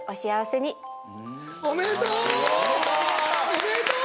おめでとう！